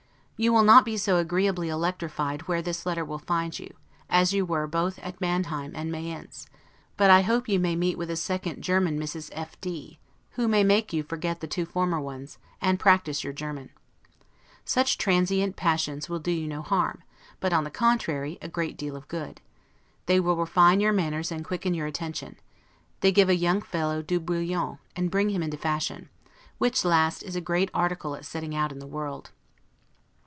You will not be so agreeably ELECTRIFIED where this letter will find you, as you were both at Manheim and Mayence; but I hope you may meet with a second German Mrs. F d, who may make you forget the two former ones, and practice your German. Such transient passions will do you no harm; but, on the contrary, a great deal of good; they will refine your manners and quicken your attention; they give a young fellow 'du brillant', and bring him into fashion; which last is a great article at setting out in the world.